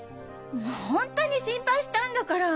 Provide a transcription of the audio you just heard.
本当に心配したんだから。